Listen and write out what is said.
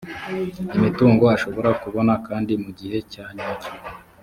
imitungo ashobora kubona kandi mu gihe cyanyacyo